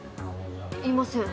いません。